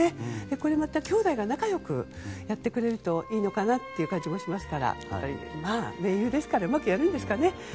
これまた、きょうだいが仲良くやってくれるといいのかなという感じもしますからまあ名優ですからうまくやるんですかね。